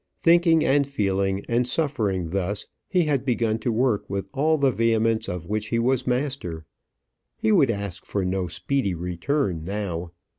Thinking, and feeling, and suffering thus, he had begun to work with all the vehemence of which he was master. He would ask for no speedy return now.